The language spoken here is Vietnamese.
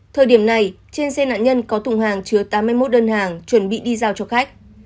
thời điểm này trên xe nạn nhân có thùng hàng chứa tám mươi một đơn hàng chuẩn bị đi giao cho khách